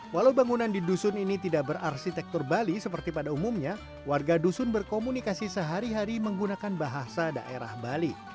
walau bangunan di dusun ini tidak berarsitektur bali seperti pada umumnya warga dusun berkomunikasi sehari hari menggunakan bahasa daerah bali